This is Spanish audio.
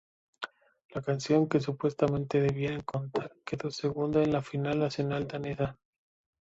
La canción que supuestamente debían cantar quedó segunda en la final nacional danesa.